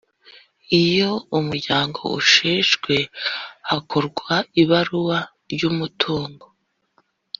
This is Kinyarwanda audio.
Iyo Umuryango usheshwe, hakorwa ibarura ry’umutungo